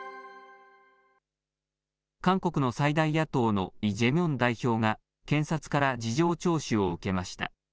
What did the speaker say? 韓国の最大野党のイ・ジェミョン代表が、検察から事情聴取を受けました。